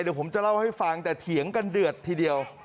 เดี๋ยวผมจะเล่าให้ฟังแต่เถียงกันเดือดทีเดียว